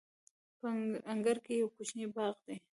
په انګړ کې یو کوچنی باغ دی.